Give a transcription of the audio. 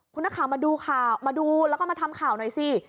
คุณนักข่าวมาดูข่าวมาดูแล้วก็มาทำข่าวหน่อยสิ